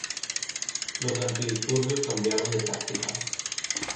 Los antidisturbios cambiaron de táctica